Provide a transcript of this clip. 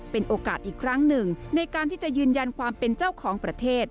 เป็นโอกาสอีกครั้งหนึ่งในการที่จะยืนยันความเป็นเจ้าของประเทศ